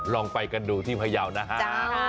ลองไปกันดูที่พยาวนะฮะ